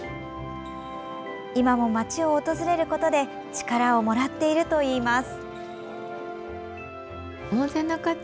今も町を訪れることで力をもらっているといいます。